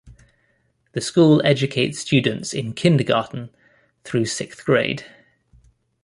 The school educates students in kindergarten through sixth grade.